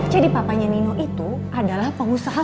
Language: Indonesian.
jadi papanya nino itu adalah pengusaha